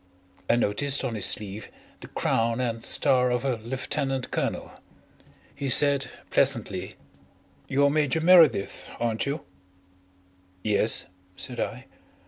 I noticed on his sleeve the crown and star of a lieutenant colonel. He said pleasantly: "You're Major Meredyth, aren't you?" "Yes," said I.